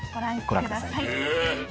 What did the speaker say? ご覧ください。